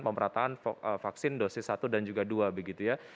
pemerataan vaksin dosis satu dan juga dua begitu ya